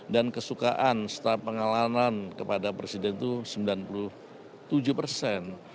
kesukaan setelah pengalaman kepada presiden itu sembilan puluh tujuh persen